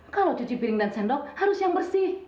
kalau cuci piring dan sendok harus yang bersih